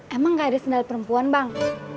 emang gak ada sendal perempuan bang